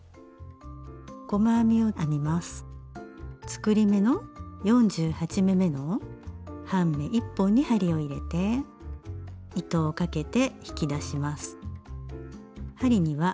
作り目の４８目めの半目１本に針を入れて糸をかけて引き出します。